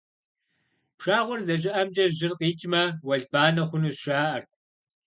Пшагъуэр здэщыӏэмкӏэ жьыр къикӏмэ, уэлбанэ хъунущ, жаӀэрт.